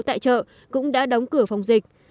tại chợ cũng đã đóng cửa phòng dịch